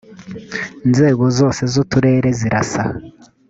nzego zose z uturere zirasa